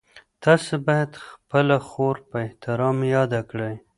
تاسو باید خپله خور په احترام یاده کړئ.